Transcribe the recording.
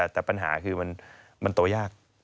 แต่ปัญหาคือมันโตยาก